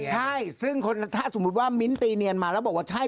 ใช่ซึ่งถ้าสมมุติว่ามิ้นตีเนียนมาแล้วบอกว่าใช่